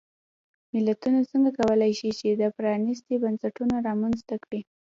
ملتونه څنګه کولای شي چې پرانیستي بنسټونه رامنځته کړي.